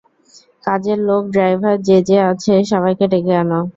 কাজের লোক, ড্রাইভার, যে যে আছে সবাইকে ডেকে আনো।